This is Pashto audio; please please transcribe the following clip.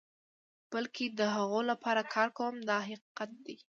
بلکې د هغو لپاره کار کوم دا حقیقت دی.